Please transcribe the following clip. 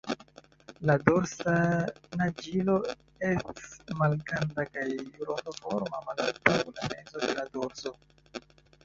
La dorsa naĝilo ests malgranda kaj rondoforma malantaŭ la mezo de la dorso.